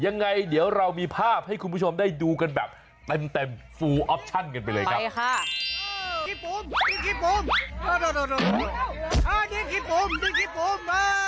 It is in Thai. ยังไงเดี๋ยวเรามีภาพให้คุณผู้ชมได้ดูกันแบบเต็มฟูออปชั่นกันไปเลยครับ